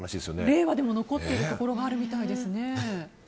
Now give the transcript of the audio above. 令和でも残ってるところもあるみたいですね。